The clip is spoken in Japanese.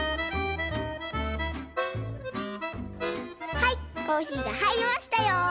はいコーヒーがはいりましたよ！